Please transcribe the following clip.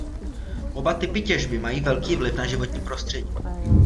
Oba typy těžby mají velký vliv na životní prostředí.